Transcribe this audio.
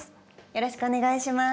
よろしくお願いします。